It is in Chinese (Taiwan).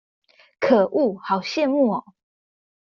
可惡好羨慕喔